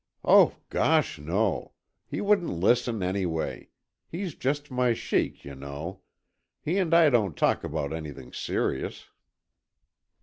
"Oh, gosh, no! He wouldn't listen, anyway. He's just my sheik, you know. He and I don't talk about anything serious."